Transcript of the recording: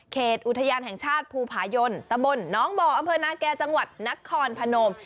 อุทยานแห่งชาติภูผายนตะบลน้องบ่ออำเภอนาแก่จังหวัดนครพนม